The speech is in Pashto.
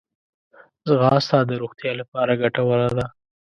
ځغاسته د روغتیا لپاره ګټوره ده